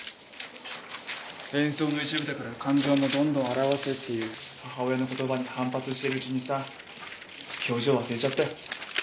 演奏の一部だから感情もどんどん表せっていう母親の言葉に反発してるうちにさ表情忘れちゃったよ。